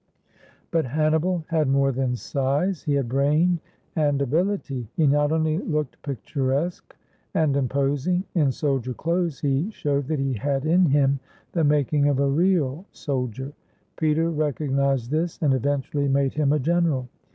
But Hannibal had more than size, he had brain and ability. He not only looked picturesque and imposing in soldier clothes, he showed that he had in him the making of a real soldier. Peter recognized this, and eventually made him a general.